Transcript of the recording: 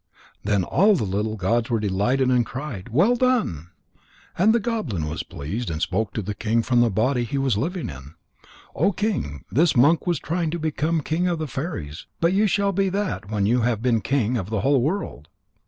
Then all the little gods were delighted and cried: "Well done!" And the goblin was pleased and spoke to the king from the body he was living in: "O King, this monk was trying to become king of the fairies. But you shall be that when you have been king of the whole world."